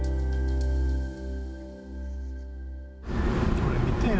これ見てよ。